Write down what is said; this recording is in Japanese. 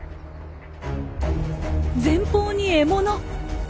前方に獲物！